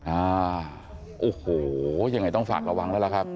อ่าโอ้โหยังไงต้องฝากระวังแล้วล่ะครับ